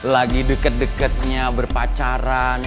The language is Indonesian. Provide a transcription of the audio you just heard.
lagi deket deketnya berpacaran